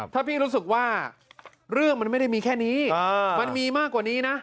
ถ้าพี่รู้สึกว่าเรื่องมันไม่ได้มีแค่นี้มันมีมากกว่านี้นะ